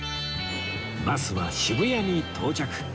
バスは渋谷に到着